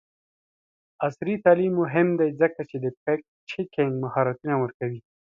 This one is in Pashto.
عصري تعلیم مهم دی ځکه چې د فکټ چیکینګ مهارتونه ورکوي.